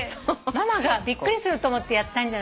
ママがびっくりすると思ってやったんじゃない？